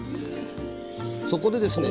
そこでですね